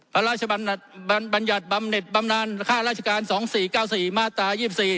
ผมกล่าวหาท่านพระราชบัญญัติบำเน็ตบำนานค่าราชการ๒๔๙๔มาตรา๒๔